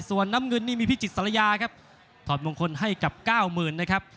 ส่วนน้ำเงินนี่มีพิจิตรยาครับถอดมงคลให้กับเก้าหมื่นนะครับ